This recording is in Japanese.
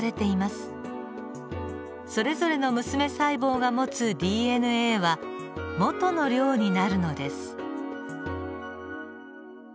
それぞれの娘細胞が持つＤＮＡはもとの量になるのです。